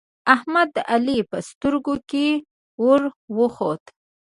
احمد د علی په سترګو کې ور وخوت